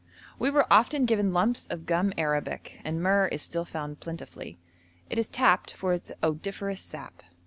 We were often given lumps of gum arabic, and myrrh is still found plentifully; it is tapped for its odoriferous sap.